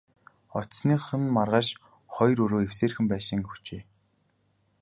Очсоных нь маргааш хоёр өрөө эвсээрхэн байшин өгчээ.